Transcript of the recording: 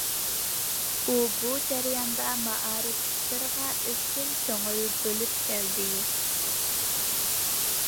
ئۇ بۇ جەرياندا مائارىپ ئىشلىرىغا ئىزچىل كۆڭۈل بۆلۈپ كەلدى.